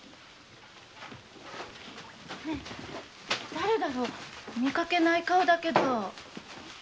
だれだろう見かけない顔だけど？